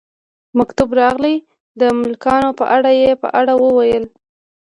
مکتوب راغلی د ملکانو په اړه، یې په اړه وویل.